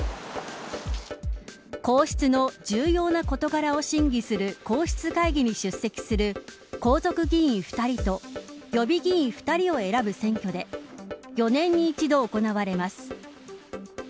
皇室の重要な事柄を審議する皇室会議に出席する皇族議員２人と予備議員２人を選ぶ選挙で４年に一度行われます。